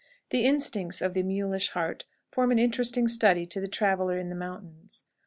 The instincts of the mulish heart form an interesting study to the traveler in the mountains.